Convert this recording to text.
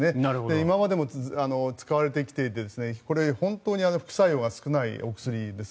今までも使われてきていてこれは本当に副作用が少ないお薬です。